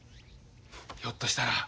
ひょっとしたら。